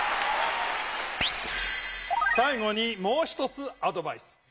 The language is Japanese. さい後にもう１つアドバイス。